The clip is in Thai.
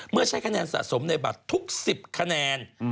ใช้คะแนนสะสมในบัตรทุก๑๐คะแนน